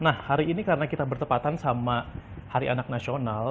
nah hari ini karena kita bertepatan sama hari anak nasional